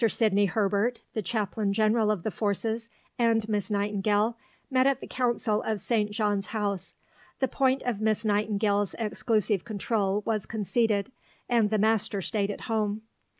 Sidney Herbert, the Chaplain General of the Forces, and Miss Nightingale met the Council of St. John's House; the point of Miss Nightingale's exclusive control was conceded, and the Master stayed at home.